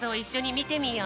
みてみよう！